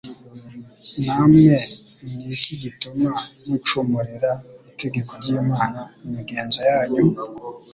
"Namwe niki gituma mucumurira itegeko ry'Imana imigenzo yanyu?